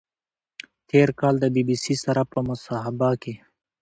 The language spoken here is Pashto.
تېر کال د بی بی سي سره په مصاحبه کې